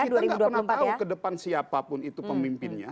kita nggak pernah tahu ke depan siapapun itu pemimpinnya